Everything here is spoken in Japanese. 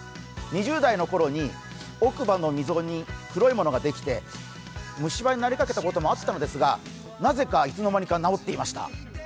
２０代のころに奥歯の溝に黒いものができて虫歯になりかけたこともあったのですが、なぜかいつの間にか直っていました。